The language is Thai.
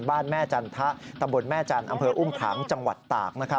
แม่จันทะตำบลแม่จันทร์อำเภออุ้มผังจังหวัดตาก